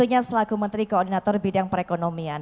satunya selaku menteri koordinator bidang perekonomian